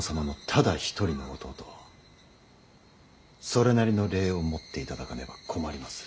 それなりの礼を持っていただかねば困ります。